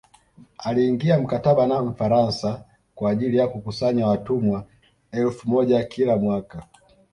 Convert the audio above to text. Aliingia mkataba na mfaransa kwa ajili ya kukusanya watumwa elfu moja kila mwaka